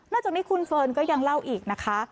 จากนี้คุณเฟิร์นก็ยังเล่าอีกนะคะ